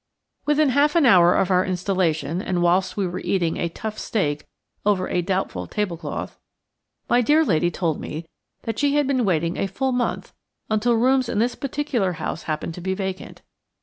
Within half an hour of our installation, and whilst we were eating a tough steak over a doubtful table cloth, my dear lady told me that she had been waiting a full month, until rooms in this particular house happened to be vacant.